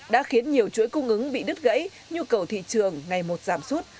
đã khiến nhiều chuỗi cung ứng bị đứt gãy nhu cầu thị trường ngày một giảm suốt